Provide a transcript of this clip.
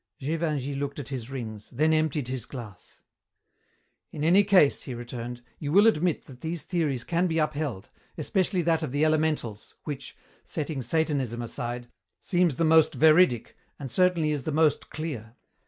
Gévingey looked at his rings, then emptied his glass. "In any case," he returned, "you will admit that these theories can be upheld, especially that of the elementals, which, setting Satanism aside, seems the most veridic, and certainly is the most clear.